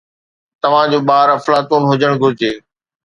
توهان جو ٻار افلاطون هجڻ گهرجي